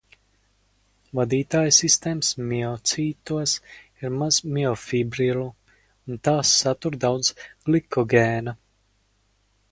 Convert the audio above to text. Vadītājsistēmas miocītos ir maz miofibrillu un tās satur daudz glikogēna.